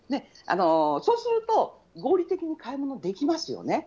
そうすると、合理的に買い物できますよね。